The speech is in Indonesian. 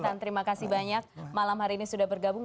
kang terima kasih banyak malam hari ini sudah bergabung